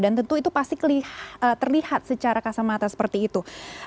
dan tentu itu pasti terlihat secara kasar mata seperti itu